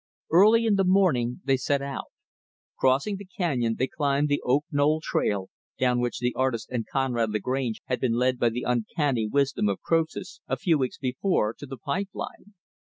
Early in the morning, they set out. Crossing the canyon, they climbed the Oak Knoll trail down which the artist and Conrad Lagrange had been led by the uncanny wisdom of Croesus, a few weeks before to the pipe line.